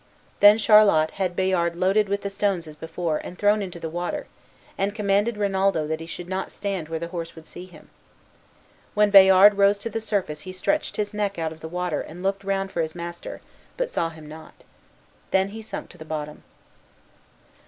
Then Charlot had Bayard loaded with the stones as before, and thrown into the water; and commanded Rinaldo that he should not stand where the horse would see him. When Bayard rose to the surface he stretched his neck out of the water and looked round for his master, but saw him not. Then he sunk to the bottom.